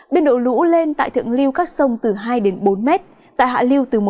biên độ lũ lên tại thượng lưu các sông từ hai bốn m tại hạ lưu từ một năm ba m